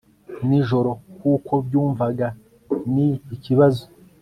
nijoro, kuko byumvaga ni ikibazo